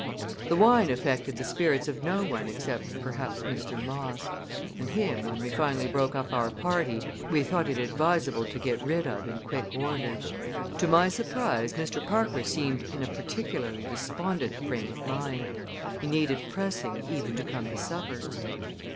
The wine affected the spirits of no one except, perhaps, Mr. Moss; and him, when we finally broke up our party, we thought it advisable to get rid of in quick order. To my surprise Mr. Parker seemed in a particularly despondent frame of mind. He needed pressing even to come to supper.